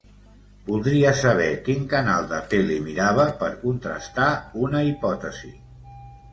Voldria saber quin canal de tele mirava per contrastar una hipòtesi.